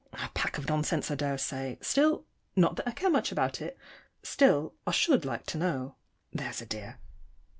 A pack of nonsense, I daresay; still not that I care much about it still, I should like to know. There's a dear.